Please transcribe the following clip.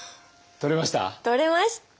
取れました！